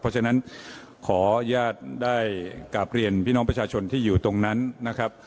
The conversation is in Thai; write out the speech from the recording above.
เพราะฉะนั้นขออนุญาตได้กราบเรียนพี่น้องประชาชนที่อยู่ตรงนั้นนะครับ